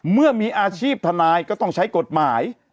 เมื่อมีอาชีพทนายก็ต้องใช้กฎหมาย